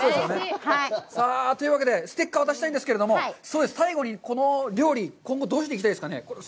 さあ、というわけで、ステッカーを渡したいんですけど、最後にこの料理、今後どういうふうにしていきたいですかね。